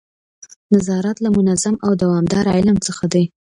نظارت له منظم او دوامداره علم څخه دی.